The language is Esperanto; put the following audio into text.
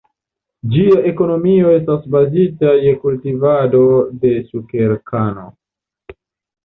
Ĝia ekonomio estas bazita je kultivado de sukerkano.